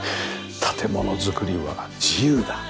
建物づくりは自由だ。